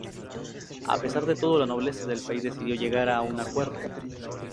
A pesar de todo, la nobleza del país decidió llegar a un acuerdo.